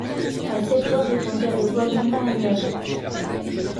À cette voix répondirent des voix non moins énergiques